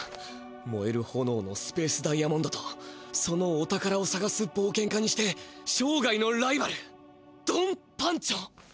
「もえるほのおのスペースダイヤモンドとそのお宝をさがすぼうけん家にしてしょうがいのライバルドン・パンチョ」。